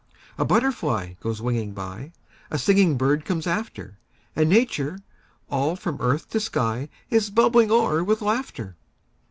A butterfly goes winging by; A singing bird comes after; And Nature, all from earth to sky, Is bubbling o'er with laughter.